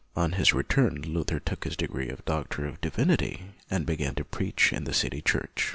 On his return Luther took his degree of doctor of divinity, and began to preach in the city church.